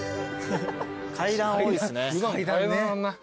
階段多いですね。